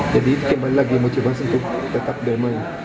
jadi kembali lagi motivasi untuk tetap bermain